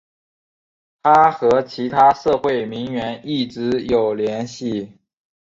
她和其他社交名媛一直有联系。